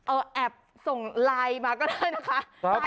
แอบส่งไลน์มาก็ได้นะคะ